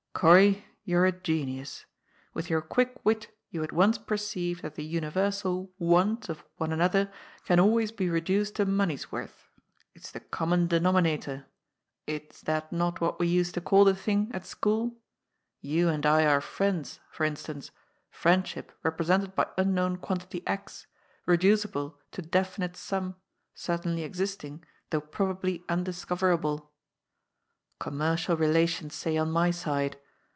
" Gorry, you are a genius. With your quick wit you at once perceive that the universal ' want ' of one another can always be reduced to money's worth. It is the common de nominator ; is that not what we used to call the thing at AIGRfi DOUX. 233 school? You and I are friends, for instance, friendship represented by unknown quantity X, reducible to defi nite sum, certainly existing, though probably undiscover able. Commercial relations, say, on my side.